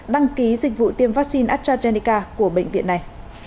đăng ký dịch vụ tiêm vaccine astrazeneca của bệnh viện này